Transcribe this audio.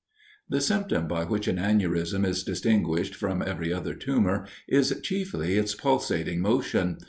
The symptom by which an aneurism is distinguished from every other tumor is, chiefly its pulsating motion.